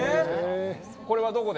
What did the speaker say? これはどこで？